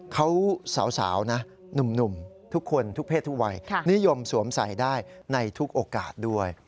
เขาสาวนะหนุ่มทุกคนทุกเพศทุกวัยนิยมสวมใส่ได้ในทุกโอกาสด้วย